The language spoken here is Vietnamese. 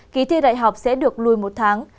ký thi đại học sẽ được lùi một tháng